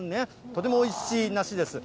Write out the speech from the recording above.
とてもおいしい梨です。